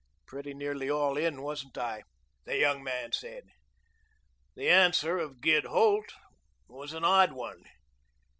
"Pretty nearly all in, wasn't I?" the young man said. The answer of Gid Holt was an odd one.